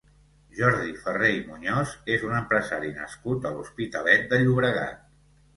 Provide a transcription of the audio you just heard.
Jordi Farré i Muñoz és un empresari nascut a l'Hospitalet de Llobregat.